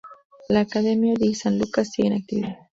La "Accademia di San Luca" sigue en actividad.